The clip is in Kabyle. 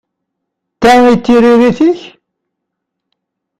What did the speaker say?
D ta i d tiririt-ik?